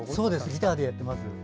ギターでやってます。